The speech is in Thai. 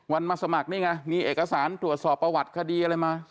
มาสมัครนี่ไงมีเอกสารตรวจสอบประวัติคดีอะไรมา